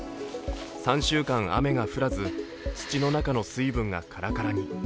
３週間雨が降らず、土の中の水分がカラカラに。